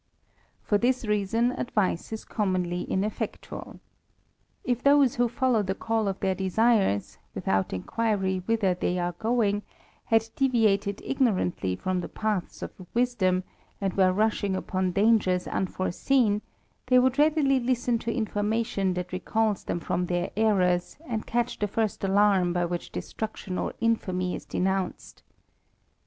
For this reason advice is commonly ineflfectuaL If those^^ who follow the call of their desires, without inquiry whither*^' they are going, had deviated ignorantly from the paths of^' wisdom, and were rushing upon dangers unforeseen, they "^ would readily hsten to information that recalls them from ^ their errors, and catch the first alarm by which destruction ^ or infamy is denounced.